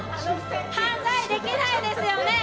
犯罪できないですよね？